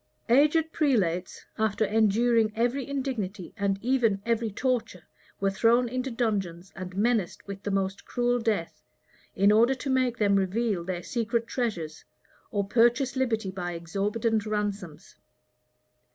* Guicciard. lib. xviii. Bellai. Stowe, p. 527. Aged prelates, after enduring every indignity, and even every torture, were thrown into dungeons, and menaced with the most cruel death, in order to make them reveal their secret treasures, or purchase liberty by exorbitant ransoms.